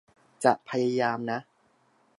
จะพยายามนะ